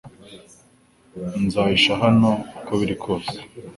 Nzahisha hano uko biri kose